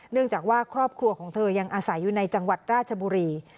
เนื่องจากว่าครอบครัวของเธอยังอาศัยอยู่ในจังหวัดราชบุรี